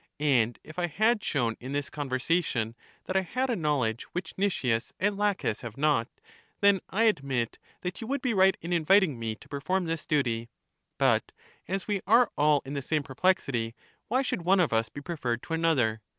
And if I had shown in this conversation that I had a knowledge which Nicias and Laches have not, then I admit that you would be right in inviting me to per form this duty; but as we are all in the same perplexity, why should one of us be preferred to another?